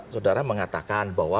saudara mengatakan bahwa